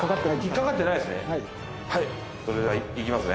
鍵かかってないですね。